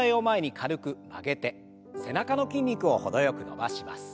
背中の筋肉をほどよく伸ばします。